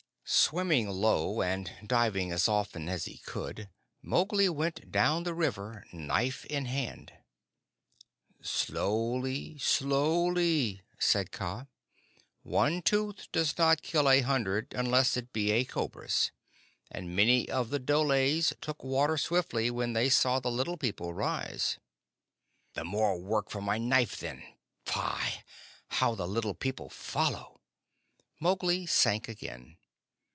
Swimming low and diving as often as he could, Mowgli went down the river, knife in hand. "Slowly, slowly," said Kaa. "One tooth does not kill a hundred unless it be a cobra's, and many of the dholes took water swiftly when they saw the Little People rise." "The more work for my knife, then. Phai! How the Little People follow!" Mowgli sank again.